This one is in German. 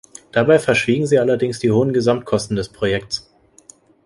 Dabei verschwiegen sie allerdings die hohen Gesamtkosten des Projekts.